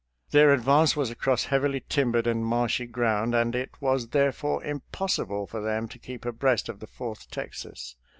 Their advance was across heavily timbered and marshy ground, and it was FOURTH TEXAS AT GAINES' MILLS 317 therefore impossible for them to keep abreast of the Fourth Texas.